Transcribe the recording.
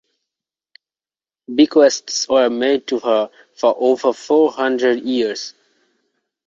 Bequests were made to her for over four hundred years.